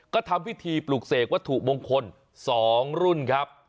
ก็ทำพิธีปลูกเสกวัตถุมงคล๒รุ่นครับ